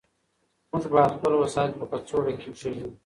موږ باید خپل وسایل په کڅوړه کې کېږدو.